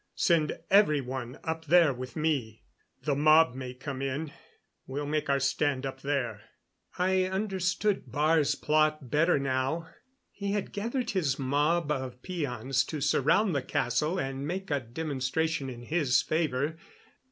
Send every one up there with me. The mob may come in. We'll make our stand up there." I understood Baar's plot better now. He had gathered his mob of peons to surround the castle and make a demonstration in his favor.